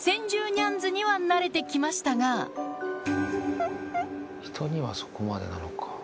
ニャンズには慣れてきましたが人にはそこまでなのか。